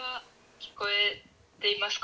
聞こえていますか？」。